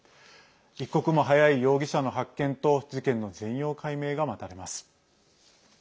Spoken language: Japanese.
一刻も早い容疑者の発見と事件の全容解明が待たれます。